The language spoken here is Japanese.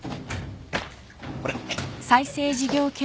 これ。